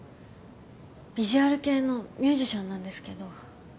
ヴィジュアル系のミュージシャンなんですけど。